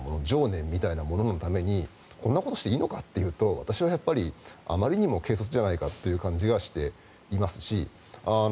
情念みたいなもののためにこんなことをしていいのかというと私はあまりにも軽率じゃないかという感じがしていますし